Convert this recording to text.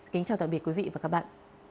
kính chào tạm biệt quý vị và các bạn